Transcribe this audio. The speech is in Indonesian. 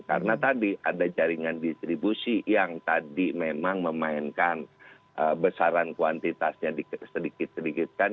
karena tadi ada jaringan distribusi yang tadi memang memainkan besaran kuantitasnya sedikit sedikitkan